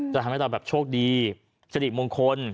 จะทำให้เราแบบโชคดีสถิตย์มงคล